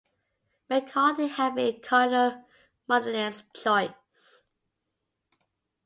McCarthy had been Cardinal Mundelein's choice.